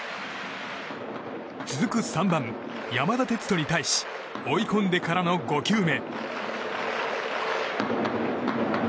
続く３番、山田哲人に対し追い込んでからの５球目。